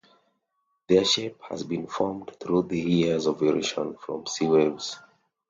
Their shape has been formed through the years by erosion from sea waves.